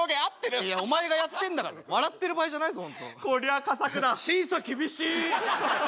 いやお前がやってんだから笑ってる場合じゃないぞホントこりゃ佳作だ審査厳しい！